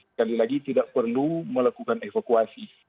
sekali lagi tidak perlu melakukan evakuasi